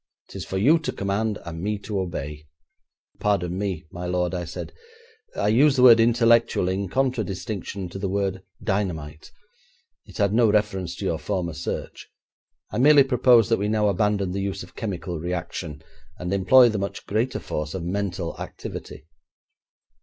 'Tis for you to command, and me to obey.' 'Pardon me, my lord,' I said, 'I used the word "intellectual" in contradistinction to the word "dynamite". It had no reference to your former search. I merely propose that we now abandon the use of chemical reaction, and employ the much greater force of mental activity.